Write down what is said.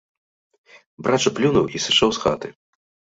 Брат жа плюнуў і сышоў з хаты.